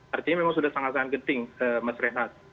artinya memang sudah sangat sangat genting mas rehat